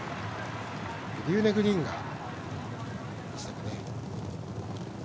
グリューネグリーンがいましたね。